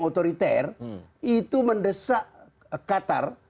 otoriter itu mendesak qatar